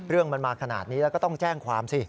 เรื่องมันมาขนาดนี้แล้วก็ต้องแจ้งความสิ